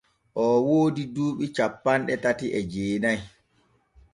Oo woodi duuɓi cappanɗe tati e jeeɗiɗi.